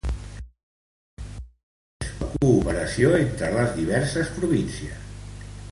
A més, promou la cooperació entre les diverses províncies.